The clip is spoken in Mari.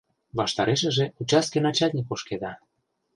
Ваштарешыже участке начальник ошкеда.